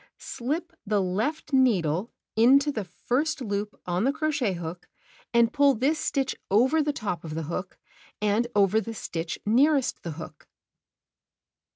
Slip the left needle into the first loop on the crochet hook and pull this stitch over the top of the hook, and over the stitch nearest the hook.